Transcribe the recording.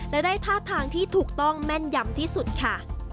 และได้ท่าทางที่ถูกต้องแม่นยำที่สุดค่ะ